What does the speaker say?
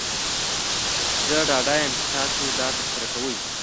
زه ډاډه یم چې تاسو دا ترسره کوئ.